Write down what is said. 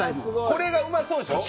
これがうまそうでしょ？